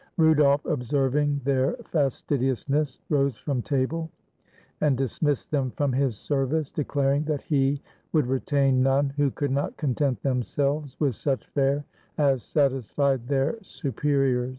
Rudolf, observing their fastidiousness, rose from table, and dismissed them from his service, declaring that he would retain none who could not content themselves with such fare as satisfied their superiors.